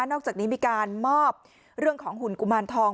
อกจากนี้มีการมอบเรื่องของหุ่นกุมารทอง